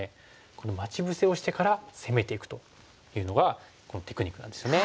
この待ち伏せをしてから攻めていくというのがこのテクニックなんですよね。